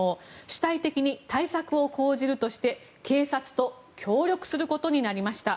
主体的に対策を講じるとして警察と協力することになりました。